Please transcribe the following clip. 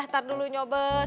ntar dulu nyobas